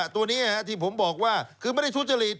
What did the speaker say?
ตัวนี้ที่ผมบอกว่าคือไม่ได้ทุจริต